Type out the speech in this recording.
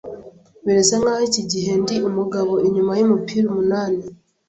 Birasa nkaho iki gihe ndi umugabo inyuma yumupira umunani.